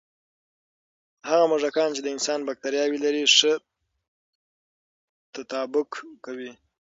هغه موږکان چې د انسان بکتریاوې لري، ښه تطابق کوي.